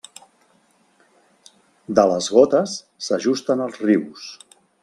De les gotes s'ajusten els rius.